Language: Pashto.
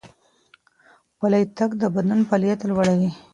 پلی تګ د بدن فعالیت لوړوي.